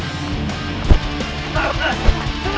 lo taruh aku jer